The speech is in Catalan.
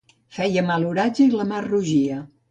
Feia mal oratge i la mar rugia.